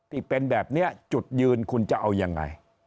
ที่เป็นแบบนี้จุดยืนคุณจะเอายังไง